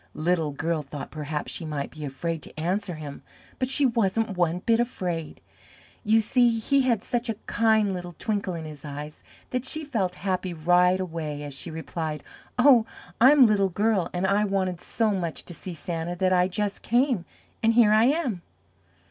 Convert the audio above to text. Little Girl thought perhaps she might be afraid to answer him, but she wasn't one bit afraid. You see he had such a kind little twinkle in his eyes that she felt happy right away as she replied, "Oh, I'm Little Girl, and I wanted so much to see Santa that I just came, and here I am!"